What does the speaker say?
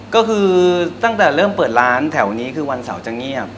ก็คือตั้งแต่เริ่มเปิดร้านแถวนี้คือวันเสาร์จะเงียบ